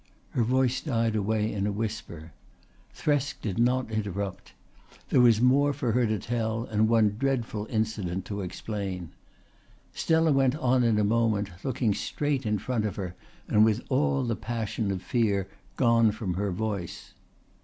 Her voice died away in a whisper. Thresk did not interrupt. There was more for her to tell and one dreadful incident to explain. Stella went on in a moment, looking straight in front of her and with all the passion of fear gone from her voice.